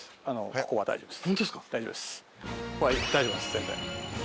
ここは大丈夫です。